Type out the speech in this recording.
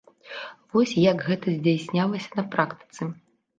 Вось як гэта здзяйснялася на практыцы.